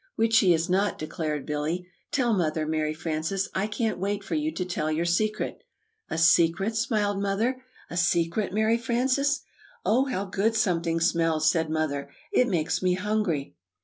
'" "Which she is not!" declared Billy. "Tell Mother, Mary Frances, I can't wait for you to tell your secret!" "A secret?" smiled Mother. "A secret, Mary Frances?" [Illustration: "A secret?"] "Oh, how good something smells!" said Mother. "It makes me hungry."